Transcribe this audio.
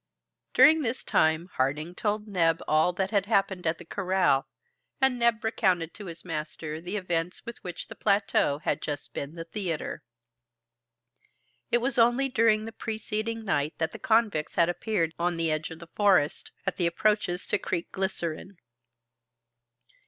During this time, Harding told Neb all that had happened at the corral, and Neb recounted to his master the events of which the plateau had just been the theater. It was only during the preceding night that the convicts had appeared on the edge of the forest, at the approaches to Creek Glycerine.